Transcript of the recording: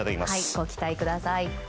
ご期待ください。